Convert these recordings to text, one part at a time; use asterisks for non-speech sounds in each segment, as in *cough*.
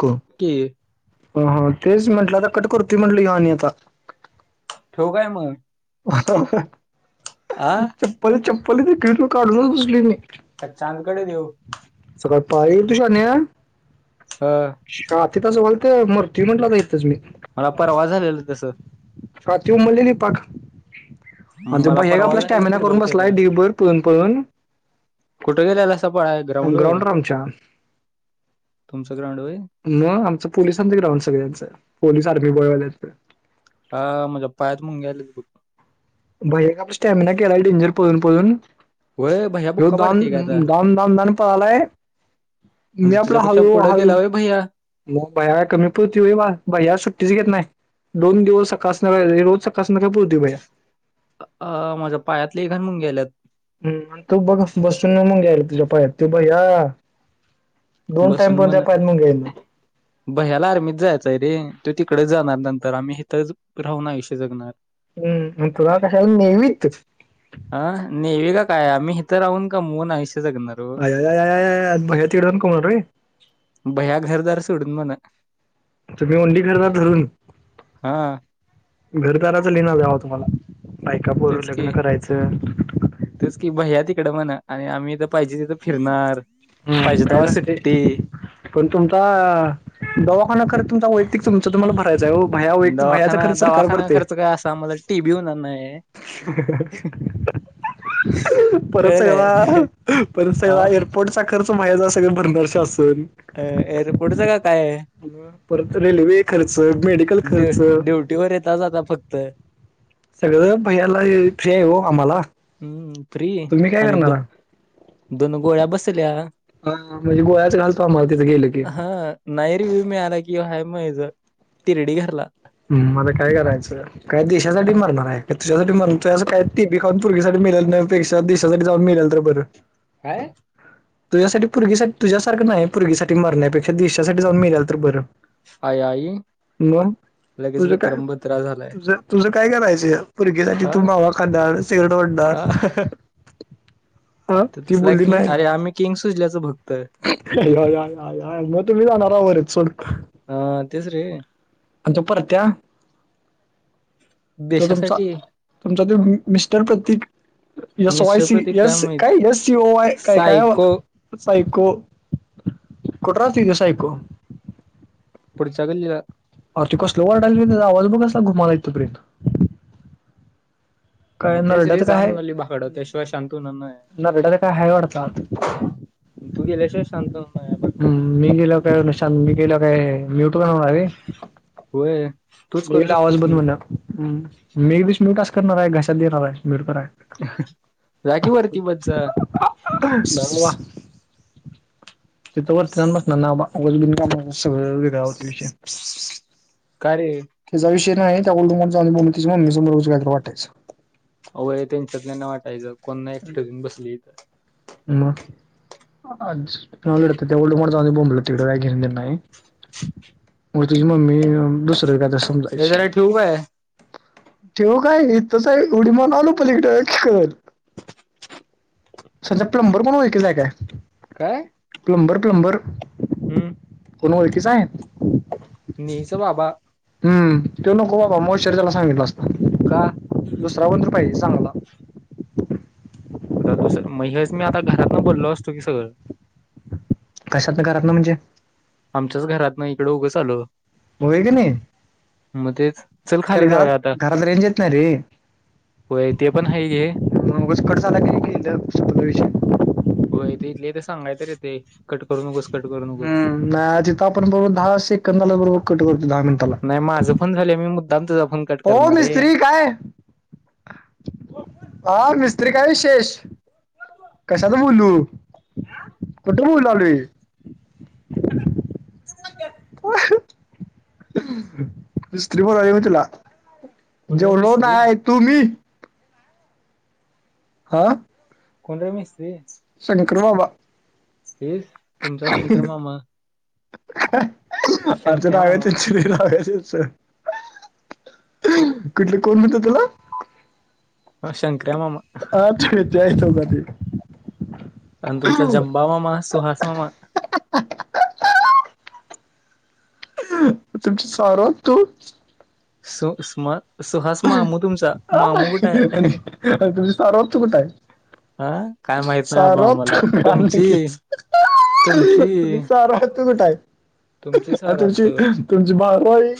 तेच की म्हंटलं आता कट करतोय ह्यो आणि आता ठेऊ काय मग आ चप्पल चप्पल देली मी काढूनच बसली मी. का चांदकडे देऊ. सगळ पाहील तुझ ने ह. *unintelligible* ह तिथच वालते मरती म्हणते आता ईथच मी. मला परवा झालेल तस. *unintelligible* आणि तो मला भैया का आपला परवाला स्टॅमिना करून फुटबॉल बसलाय खेळताना डिबर पळून पळून कुठे गेलेलासा पळायला ग्राउंड वर. ग्राउंडवर आमच्या तुमच ग्राउंड व्हय. म आमच पोलिसांच ग्राउंड सगळ्यांच. पोलीस आर्मी गोळ्यावाल्यांच. हा माझ्या पायात मुंग्या आल्यात बघ. भाई एक आपण स्टॅमिना केला आहे डेंजर पळुन पळुन. व्हय भैया रोज बुक्का पाडतोय काय आता धावुन धावून धावून पळालोय. मी म्हणजे आपला तुझ्यापेक्षा हळु पुढं हळु गेला व्हय भैया मग भैयाला कमी पुरती व्हम बा भैया सुट्टीच घेत नाही. दोन दिवस सकाळ संध्याकाळ रोज सकाळ संध्याकाळ पळतो भैय्या. अ माझ्या पायात लयी घाण मूंग्या आल्यात. हम्म आणि तू बघत बसून म मुंग्या यायल्या तुझ्या पायात. तो भैया दोन टाइम बसून पण त्या म्हण पायात मुंग्या यायला नाहीत. भैय्याला आर्मीत जायचय रे. तो तिकडे जाणार नंतर आम्ही इथच राहुन आयुष्य जगणार. हम्म म तुला कशाला नेवित तु अ नेवि का काय, आम्ही इथ राहून कमवुन आयुष्य जगणार. ओ पहिल्या तिकडन कोण रे. भैय्या घरदार सोडून म्हण तुम्ही ओंली घरदार धरून, हा घरदराचा लिणार द्यावा तुम्हाला. बायकापोर, तेच की लग्न करायच. तेच की भैय्या तिकड म्हणा. आणि आम्ही इथ पाहिजे तिथ फिरणार. हम्म पाहिजे काही तेव्हा नसते. सुट्टी पण तुमचा दवाखाना का रे तुमचा वैतीक तुमच तुम्हाला भरायच हो. भैय्या वैतीक भैय्याचा दवाखाना खर्च सरकार दवाखाना भरतय. खर्च काय असा आम्हाला टीबी होणार नाही परत कळ काय सगळा परत सगळा अ पोटसाखरच मायाजाळ सगळ भरल शासन. अ एअरपोर्टच का काय? परत रेल्वे खर्च, मेडिकल खर्च. टीवर येता जाता फक्त सगळ भैय्याला फ्री आहे हो आम्हाला. हम्म फ्री तुम्ही काय आणि द करणार हा दोन गोळ्या बसल्या हा म्हणजे गोळ्याच घालतो आम्हाला तिथ गेल की. हा नाही रिव्ह्यू मिळाला कि, आहे मग इथ तिरडी घरला. हम्म मला काय करायच. काय देशासाठी काय मारणार आहे. तुझ्यासाठी मरुन अस काय ती बी खाऊन पोरगीसाठी मरण्यापेक्षा देशासाठी जाऊन मेलेल तर बर. काय? तुझ्यासाठी पोरगीसाठी तुझ्यासारख नाही‌. पोरगीसाठी मरण्यापेक्षा देशासाठी जाऊन मेलेल तरी बर. आई आई लगेच तुझ काय, विक्रम बत्रा झालाय तुझ तुझ काय करायच. पोरगी झाली अ तर मावा खाणार सिगारेट अ वडणार हा ती तसला बोलली किंग नाही. अरे आम्ही किंग सुजल्याचं भग आया आय आय आय आय म तुम्ही जाणार हा वर सोड हा तेच रे अच्छा परत त्या तो तुमचा देशासाठी तुमचा त्यो मि- mister Pratik yes Y mister C Pratik yes माहित काय येस सी ओ वाय काय काय सायको सायको कुठ राहतंय त्यो सायको पुढच्या गल्लीला अर ते कसल वरडालय त्येज आवाज बघ कसला घुमालाय इथपर्यंत म काय तेच रे नरड्यात जा काय आहे म्हणाली बागाड त्याशिवाय शांत होणार नाय नरड्यात काय हाय वाटतात तू गेल्याशिवाय शांत हो नाय हूं मी गेल्यावर काय शांत मी गेल्यावर काय म्यूट ट होणार हाय व्हय होय तूच करू होईल आवाज शकतोस बंद मग होईन मी विष्णू का अस करणार हाय घशात देणार हाय मरक्यूराय जा की वरती बस जा तिथ वरती जावून बसणार ना बाबा उगच बिनकामाच सगळं व्य गावात विषय का रे तिजा विषय नाय ये त्या *unintelligible* तिची मम्मीसमोर उगच कायतरी वाटयचं. होय त्यांच्यातल्याना वाटायचं कोण ना एकट घेऊन बसली इथं म *unintelligible* जाऊदे बोंबलत तिकड काय घेण देणं नाय म तुझी मम्मी दुसर एखाद हे समजायची जरा ठेवू काय त्यो काय इथंच हाय उडी मारून आलो पलिकड छरं सध्या प्लंबर कोण ओळखीचा हाय काय काय? प्लंबर प्लंबर हम्म कोण ओळखीचा आहे. मी चं बाबा हम्म तू नको बाबा मॉश्चर त्याला सांगितला असता. का? दुसरा कोणतरी पाहिजे चांगला आता दुसर म हेच मी आता घरातन बोललो असतो की सगळं कशातन घरातन म्हणजे आमच्याच घरात ना इकडं उगंच आलो. होय की नाही म तेच चल खर खाली जाऊ घरात या आता घरात रेंज येत नाही रे होय ते पण हाय घे म उगच कट झाला की *unintelligible* विषय होय ते इथल्या इथ सांगाय तर येतय. कट करू नकोस कट करू नकोस हूं नाय आज इथं आपण बरोबर दहा सेकंदाला बरोबर कट करतो दहा मिनिटाला. नाय माझं पण झालंय मी मुद्दाम तुझा फोन कट हो करणार रे मिस्त्री काय हा मिस्त्री काय विशेष कशााच बोलू कुठे बोलायलोय *unintelligible* मिस्त्री प आहे म्ह तला. कोण रे जेवलो मिस्त्री नाय तुम्ही? हा कोणत्या मिस्त्री. *unintelligible* *unintelligible* शंकर मामा अजून शंकर्या मामा हवेतच *unintelligible* कुठले कोण म्हणत तुला? हा शंकऱ्या मामा *unintelligible* आण तुमचा जमबामामा सुहासमामा तुमच सारं *unintelligible* सो स्मा ह नाही तुझ आहे *unintelligible* कुठ आहे? हा काय *unintelligible* माहित नाही चार बाबा आम्हाला तुमची तुमची आहे तुझं काय? तुमची आण सारात तुमची तुमची बारावी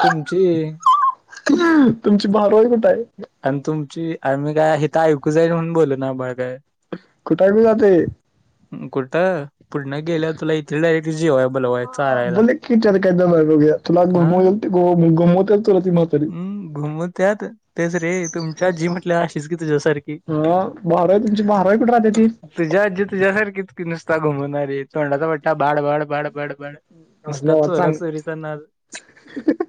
तुमची तुमची बारावी कुठं आहे? आणि तुमची आ मही काय हिता ऐकू जाईल म्हणून बोलल ना ब काय. कुठ बी जातंय कुठं पुन्हा गेल्या तुला इथे डायरेक्ट जेवाय बला *unintelligible* हम घुमत्यात तेच रे तुमच्या जी म्हटल्या अशीच की तुझ्यासारखी. *unintelligible* अय तुमची भाराई कुठ राहती ती? तुझी आज्जी तुझ्या सारखीच की नुस्ता घुमवणारी तोंडाचा पट्टा बाड बाड बाड बाड बड. नुसता असल्यावर चोरा चांग चोरीचा नाद *unintelligible*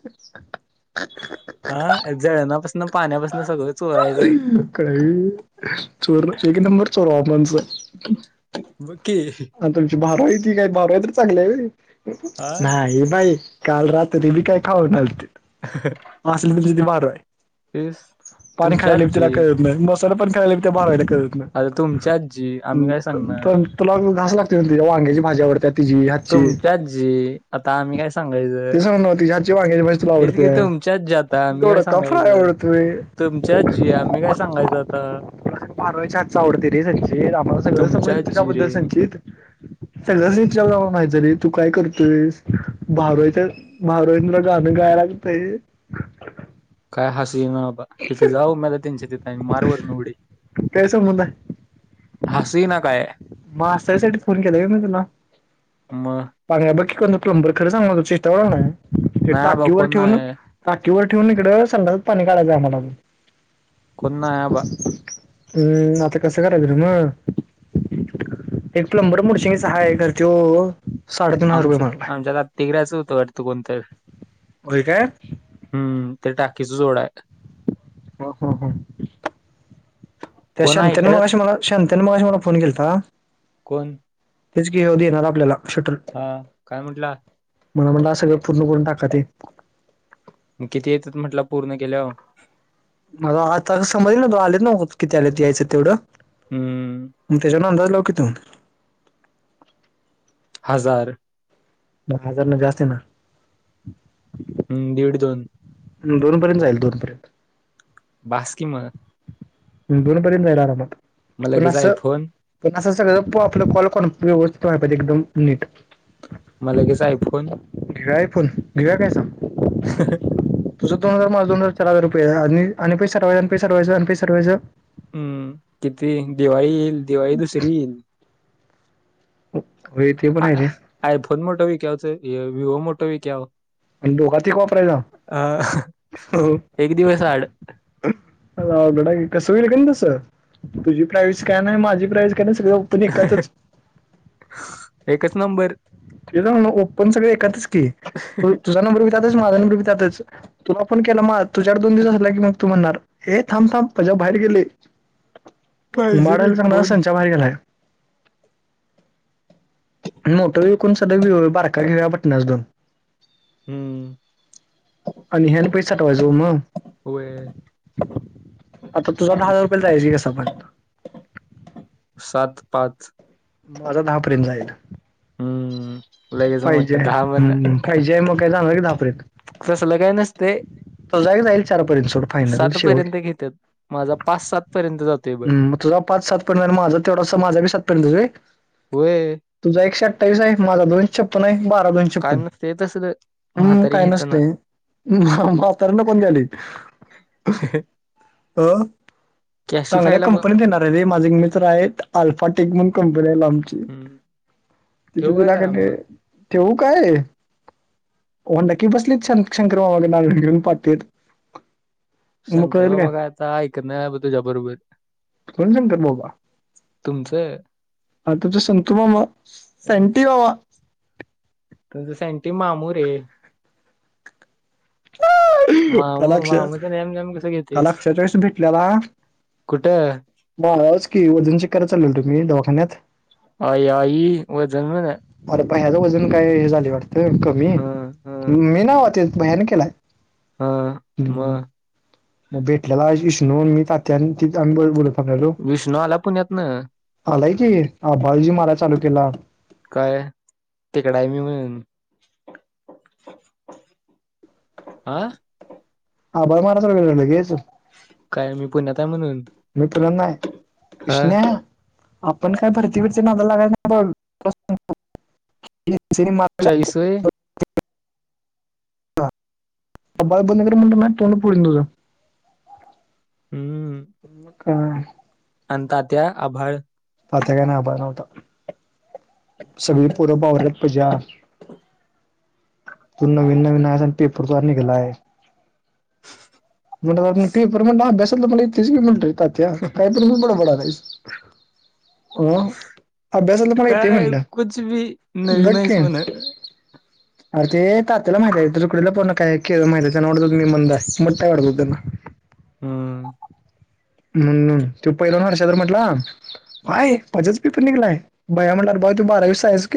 हा जळणापासून पाण्यापासून सगळं. चोरायचं चोर एक नंबर चोर ऑपनस. बघ की आ तुमची भाराई ती काही भाराई तर चांगलंय हा नाही बाई. काल रात्री बी काय खाऊ लालते. *unintelligible* असल त ती वार आहे तेच पाणी तुमच्या खायला बी तिला आजी कळत नाही *unintelligible* आता तुमची आजी आम्ही काय हम्म सांगणार? पण तुला घास लागते ना तिच्या वांग्याची भाज्यावर त्या ति तुमची आजी आता आम्ही काय सांगायचं ते सांग ना तिच्या हातची वांग्याची भाजी तुला तेच की आवडत्या. तुमची आज्जी आता आम्ही काय दोडका फ्राय सांगायचं आवडतोय. तुमची आजी आम्ही काय सांगायचं आता? भाराई हातच आवडते रे संचित आम्हाला सगळं समज तुमच्या तीच्याबद्दल जिरे संचित. सगळंच विचारलं मातरी तू काय करतोयस भाराईच भाराईन गाणं गायला लागतंय. काय हसू येई ना बाबा, तिथं जाऊ मला त्यांच्या तिथ आ मारवत निवडी. मा हसाय साठी फोन के केलय मी तुला, मग *unintelligible* मज ना बग किक कलमब खर सां मग शेषटवर रा ना. *unintelligible* ते नाही बा टाकीवर कोण ठेवन. नाही टाकीवर ठेवून, इकडं संडात पाणी काढायचं आम्हाला. कोण नाही बा हम्म आता कसं करायचं रे म? एक प्लंबर मुडशीन चा हाय, तर त्यो साडेतीन हजार रुपये म्हंटलाय. तेराचं, होतं वाटतं कोणत होय काय? हम्म, ते टाकीच जोडाय. हा हा हा. त्या कोण आहे शांत्यांन इथं मगाशी मला, शांत्यांन मगाशी मला फोन केलता. कोण तेच की कधी येणार आपल्याला, शटर? अं, काय म्हंटला? म म्हन्टला सगळं पूर्ण करून टाका ते. ग किती येत्यात, म्हटलं पूर्ण केल्यावर? मला आता समजलना त आलेत ना, किती आलेत, यायचं तेवढं? हम्म म त्याच्यान अंदाज लाव कि तू. हजार. म हजार, ना जास्ती ना. अंम्म, दीड दोन? दोनपर्यंत जाईल, दोनपर्यंत. बास्की म. दोन पर्यंत जाईल आरामात, मग पण लगेच असं आयफोन पण असं सगळे जण प-आपलं कॉल, कॉन *unintelligible* व्यवस्थित व्हाया पाहिजे, एकदम नीट. म लगेच, iPhone? Divya iPhone, Divya काय सांग. ह्हणं. तुझं दोन हजार, माझ दोन हजार, चार हजर रुपये आणि पै सातवयच आणि पैसे साठवायचं आणि प साठवायचं. हम्म, किती दिवाळी येईल, दिवाळी दुसरी येईल. व्हय, ते पण आ- हाय र. आयफोन मोठा विकायचं, विवो मोठं व? विक्याव? अन दोघात एक वापरायला? एक दिवस आड आ बडा, कसं होईल कसं? तुझी प्राईज काय नय, माझी प्राईज काय नय, सगळं एकातच एकच नंबर. तिला ज ना ओपन, सगळ एकातच की, तू तुझ्या नंबर बी त्यातच, माझा नंबर बी त्यातच. तुला फोन केला म आत, तुझ्यावर दोन दिवस झाला की, मग तू म्हणणार, हे थांब-थांब प्रजा बाहेर गेले. पाहिजे रे ये फोन. बा गलाय *unintelligible* मोठं विकुण सगळ वि बारका *unintelligible* घेऊ पटनास दोन. हम्म. आणि ह्याले आणि पैसे साठवायच ओ जम. होय. आता तुझा, दहा दहा हजार रुपयला जायची कसा पण. सात पात माझा दहा पर्यंत जाईल. हम्म लगेच पाहिजे म्हटलं दहा म्हण हम्म पाहिजे आहे मग काय चांगलं की दहापर्यंत तसलं काय नसते तो जाय जाईल चारपर्यंत सोड फायनल सात शेवट. पर्यंत घेतात माझा पाच सात पर्यंत जातो. हम् तुझा पाच सात पर् माझा तेवढासा माझा बी सात पर्यंत जाईल. होय तुझा एकशे अठ्ठावीस आहे माझा दोनशे छप्पन आहे. काय नाही ते तसंच हम् काय नसते नंतर न कोण द्यायला अ चांगल्या कॅशिफायला बघ कंपनीत येणार आहे रे माझे मित्र आहेत आल्फाटेक म्हण कंपनी आहेला आमची हम्म. ठेवू तिथे काय तिला क करा मग ठेव काय होंडाकी बसलीत शंकर बाबाग नार घेऊन पाहते. शंकर बाबा कायता ऐक ना तुझ्या बरोबर ण शंकर बाबा तुमचं आताच्या संतुमामा संटी बावा सँटी मामू रे काल मामा अक्षा मामाचं नॅम नॅम कसं काल घेतेस अक्षा त्यादिवशी भेटलेला. कुठं तवाच की वजन चेक करायला चाललो होतो मी दवाखान्यात. आई आई वजन व्हय. अरे पण ह्याच वजन काही हे झालं वाटतं कमी हा हा मी नाही भैय्याने केला. हा म भेटल्याला इश्णवून मी तात्या आणि आम्ही बोलत थांबलेलो विष्णू आला पुण्यातन? आलाय की फाय जी माराय चालू केला. काय ते? डाय म म्हून हा. *unintelligible* काय मी पुण्यात आहे म्हणून. मित्र नाय हा इषण्या आपण काय भरती भिरतीच्या नादाला लागायच नाही बघ. *unintelligible* *unintelligible* अळ बंद कर म्हणत ना तों पुढल तुझं हम्म. ह का? अन तात्या आभाळ आता काय नाही आभाळ नव्हतं. सगळी पोरं *unintelligible* तू नवीन नवीन आहे आणि पेपरद्वार निघला आहे. मला पेपर मधला अभ्यासातलं की येतयच की तात्या काय पण बडबडायला आहे. हो अभ्यासातलं पण येतंय काय म्हटलं कुछ भी नवीन आहेस नक्की. म्हण अर ते तात्याला माहिती आहे तुकडीला पर्ण काय के माहिती त्यांना वाटत होता मी मंद आहे मोठं वाटत होतं त्यांना. हम्म. पैलवान *unintelligible* म्हटला बाय पजच पी पण निघलाय. भैय्या म्हटला अरे तू बारावी सायन्स